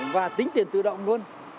và tính tiền tự động luôn